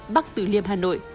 bắc tử liêm hà nội